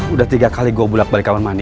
udah tiga kali gue bolak balik sama nani